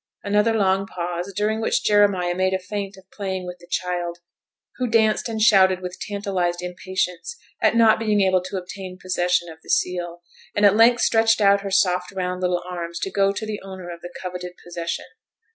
Another long pause, during which Jeremiah made a feint of playing with the child, who danced and shouted with tantalized impatience at not being able to obtain possession of the seal, and at length stretched out her soft round little arms to go to the owner of the coveted possession.